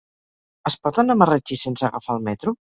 Es pot anar a Marratxí sense agafar el metro?